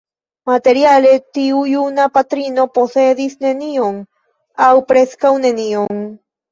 Materiale tiu juna patrino posedis nenion, aŭ preskaŭ nenion.